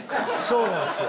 そうなんですよ。